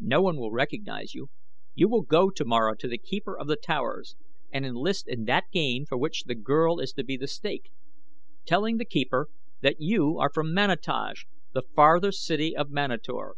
"No one will recognize you. You will go tomorrow to the keeper of the Towers and enlist in that game for which the girl is to be the stake, telling the keeper that you are from Manataj, the farthest city of Manator.